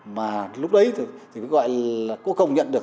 mà lúc đấy thì phải gọi là có công nhận được